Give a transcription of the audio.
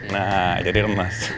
nah jadi lemas